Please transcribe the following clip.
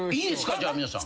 じゃあ皆さん。